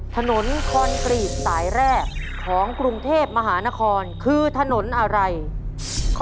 ถนนคนกรีดสายแรก